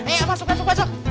eh masuk masuk masuk